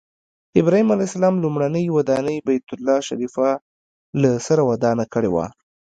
ابراهیم علیه السلام لومړنۍ ودانۍ بیت الله شریفه له سره ودانه کړې وه.